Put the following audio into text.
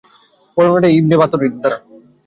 বর্ণনাটি ইবন আবী হাতিমের।